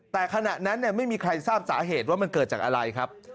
แต่ขณะนั้นไม่มีใครทราบสาเหตุว่ามันเกิดจากอะไรครับ